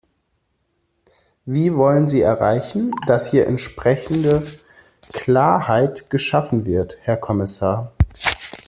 Wie wollen Sie erreichen, dass hier entsprechende Klarheit geschaffen wird, Herr Kommissar?